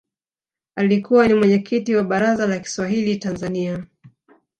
alikuwa ni mwenyekiti wa baraza la Kiswahili tanzania